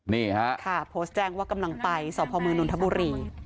นี่ฮะค่ะโพสต์แจ้งว่ากำลังไปสพมนนทบุรี